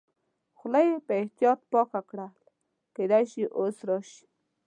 خوله یې په احتیاط پاکه کړل، کېدای شي اوس راشي.